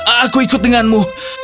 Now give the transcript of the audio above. aku ikut denganmu